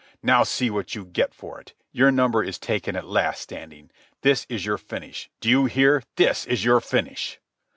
"Now see what you get for it. Your number is taken at last, Standing. This is your finish. Do you hear? This is your finish."